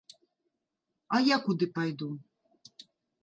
А я куды пайду?